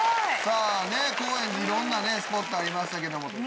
いろんなスポットありましたけども。